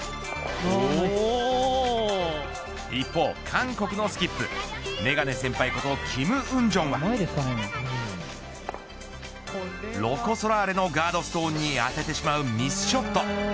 一方、韓国のスキップメガネ先輩ことキム・ウンジョンはロコ・ソラーレのガードストーンに当ててしまうミスショット。